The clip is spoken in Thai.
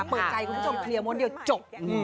เปิดใจคุณผู้ชมเคลียร์ม้วนเดียวจบ